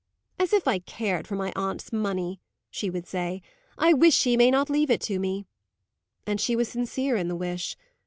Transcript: "As if I cared for my aunt's money!" she would say. "I wish she may not leave it to me." And she was sincere in the wish.